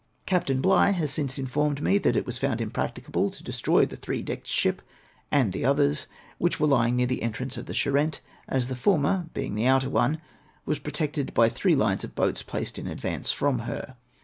Captain Bligh has since informed me that it was found impracticable to destroy the three decked ship, and the others, which were lying near the entrance of the Charente, as the former, being the outer one, was protected by three lines of boats placed in advance from her.